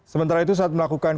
sementara itu saat melakukan